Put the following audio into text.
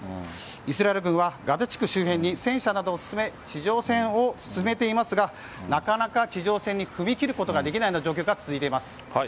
イスラエル軍はガザ地区周辺に戦車などを進め地上戦を進めていますがなかなか地上戦に踏み切ることができない状況が続いています。